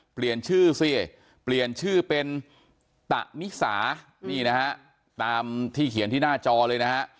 เปลี่ยนชื่อเป็นตะนิสานี่นะครับตามที่เขียนที่หน้าจอเลยนะ